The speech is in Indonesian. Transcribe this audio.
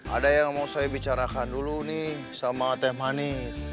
ada yang mau saya bicarakan dulu nih sama teh manis